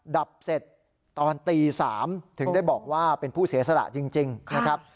ดับเสร็จตอนตี๓ถึงได้บอกว่าเป็นผู้เสียสละจริงนะครับ